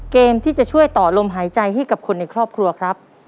เกมที่จะช่วยต่อลมหายใจให้กับคนในครอบครัวครับ